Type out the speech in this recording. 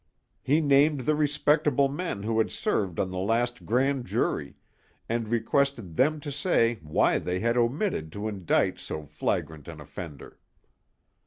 He named the respectable men who had served on the last Grand Jury, and requested them to say why they had omitted to indict so flagrant an offender.